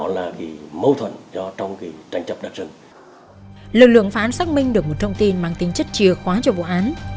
lực lượng phá án xác minh được một thông tin mang tính chất chìa khóa cho vụ án